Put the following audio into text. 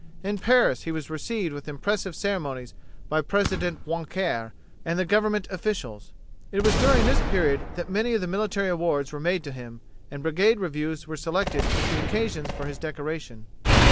In Paris he was received with impressive ceremonies by President Poincare and the government officials, It was during this period that many of the military awards were made to him, and brigade reviews were selected as the occasions for his decoration.